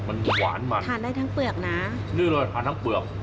มันหวานมันทานได้ทั้งเปลือกนะนี่เลยทานทั้งเปลือก